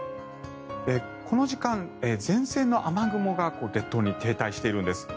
この時間、前線の雨雲が列島に停滞しているんです。